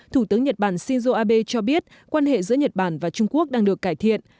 thủ tướng nhật bản shinzo abe cho biết quan hệ giữa nhật bản và trung quốc đang được cải thiện